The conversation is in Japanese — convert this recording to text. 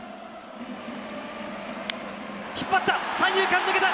引っ張った、三遊間抜けた。